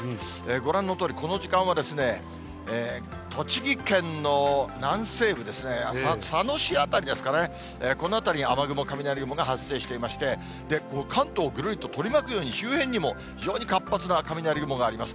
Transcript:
ご覧のとおり、この時間は栃木県の南西部ですね、佐野市辺りですかね、この辺りに雨雲、雷雲が発生していまして、関東をぐるりと取り巻くように、周辺にも非常に活発な雷雲があります。